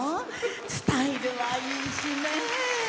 スタイルはいいしね。